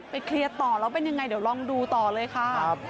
เคลียร์ต่อแล้วเป็นยังไงเดี๋ยวลองดูต่อเลยค่ะ